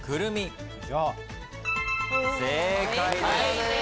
正解です。